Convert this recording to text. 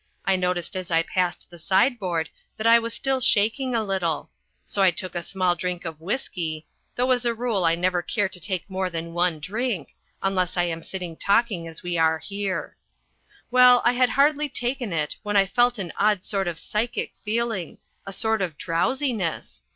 I noticed as I passed the sideboard that I was still shaking a little. So I took a small drink of whisky though as a rule I never care to take more than one drink unless when I am sitting talking as we are here. Well, I had hardly taken it when I felt an odd sort of psychic feeling a sort of drowsiness.